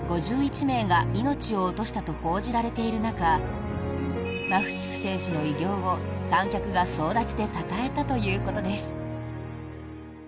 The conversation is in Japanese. ５１名が命を落としたと報じられている中マフチク選手の偉業を観客が総立ちでたたえたということです。